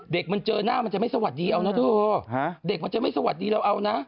เด็กมันเจอหน้ามันจะไม่สวัสดีเอานะเธอเด็กมันจะไม่สวัสดีเราเอานะ